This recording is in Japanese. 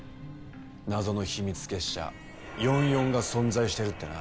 謎の秘密結社４４が存在してるってな。